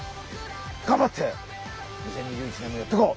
がんばって２０２１年もやっていこう！